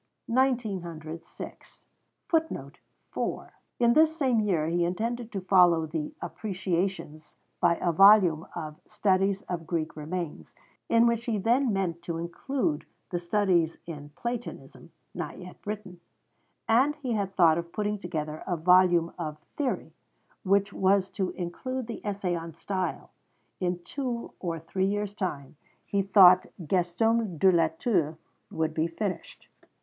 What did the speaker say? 1906. FOOTNOTE: In this same year he intended to follow the Appreciations by a volume of Studies of Greek Remains, in which he then meant to include the studies in Platonism, not yet written; and he had thought of putting together a volume of 'theory,' which was to include the essay on Style. In two or three years' time, he thought, Gastom de Latour would be finished.